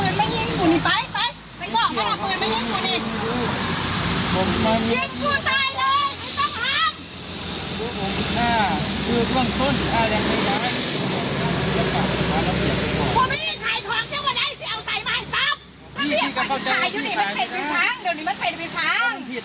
นี่ไงครับนี่ไงครับนี่ไงโอ้ยประเทศไทยเฮ้ย